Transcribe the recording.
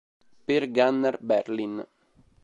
Per Gunnar Berlin